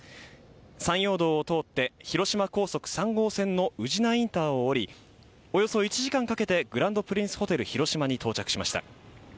山陽道を通って広島高速３号線の宇品インターを降りおよそ１時間かけてグランドプリンスホテル広島に到着しました。